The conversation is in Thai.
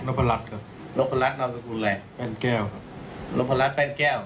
น้องพระรัชครับน้องพระรัชนามสกุลอะไรแป้นแก้วครับน้องพระรัชแป้นแก้ว